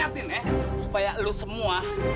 aku mau ke tempat yang lebih baik